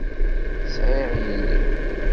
Sɛiɣ yelli.